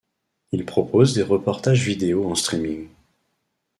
Il propose des reportages vidéos en streaming.